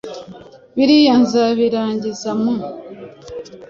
biriya nzabirangiza mu